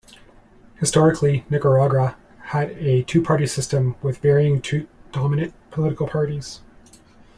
Historically, Nicaragua had a two-party system, with varying two dominant political parties.